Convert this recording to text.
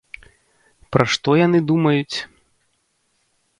Пра што яны думаюць?